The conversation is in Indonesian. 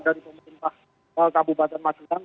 dari pemerintah kabupaten magelang